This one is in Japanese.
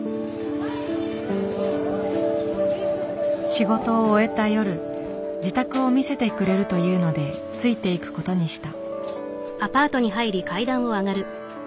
仕事を終えた夜自宅を見せてくれるというのでついていくことにした。